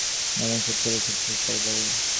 এবং সত্যের এই শক্তিশালী তরবারি।